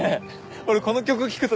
俺この曲聴くと